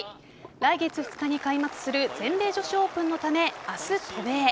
来月２日に開幕する全米女子オープンのため明日、渡米。